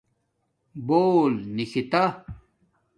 بُݸل نکھتݳ